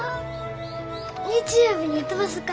日曜日に飛ばそか。